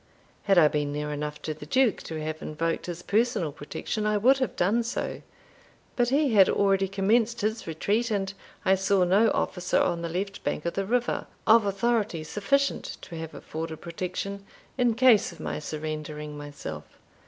Had I been near enough to the Duke to have invoked his personal protection, I would have done so; but he had already commenced his retreat, and I saw no officer on the left bank of the river, of authority sufficient to have afforded protection, in case of my surrendering myself.